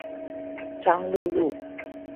彰鹿路